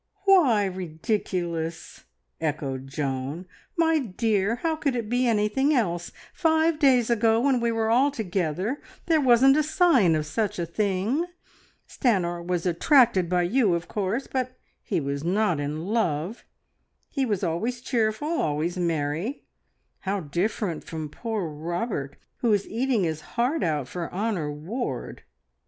"Why ridiculous?" echoed Joan. "My dear, how could it be anything else? Five days ago, when we were all together, there wasn't a sign of such a thing. Stanor was attracted by you, of course; but he was not in love. He was always cheerful, always merry. How different from poor Robert, who is eating his heart out for Honor Ward!"